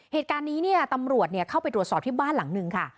เหตุการณ์นี้เนี่ยตำรวจเข้าไปตรวจสอบที่บ้านหลังหนึ่งค่ะ